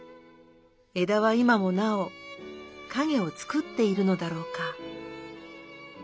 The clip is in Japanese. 枝は今もなお影をつくっているのだろうか。